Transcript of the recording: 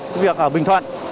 cái việc ở bình thuận